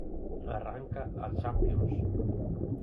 Arranca a Champions.